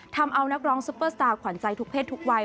ทำเอานักร้องซุปเปอร์สตาร์ขวัญใจทุกเพศทุกวัย